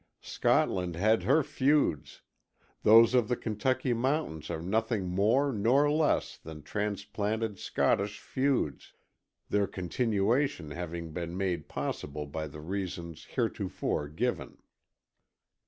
Scotland had her feuds those of the Kentucky mountains are nothing more nor less than transplanted Scottish feuds, their continuation having been made possible by the reasons heretofore given.